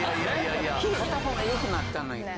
片方が良くなったのよ。